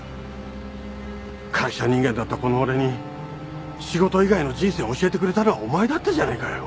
会社人間だったこの俺に仕事以外の人生を教えてくれたのはお前だったじゃないかよ。